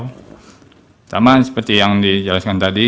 pertama seperti yang dijelaskan tadi